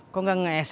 kok gak nge sms ya